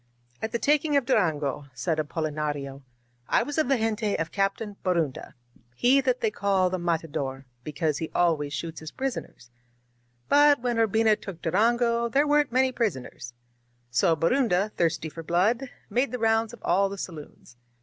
^^At the taking of Durango," said Apolinario, ^^I was of the gente of Captain Borunda; he that they call the Matador, because he always shoots his. prison ers. But when Urbina took Durango ther^ weren't many prisoners. So Borunda^ thirsty for blood, made the rounds of all the saloons.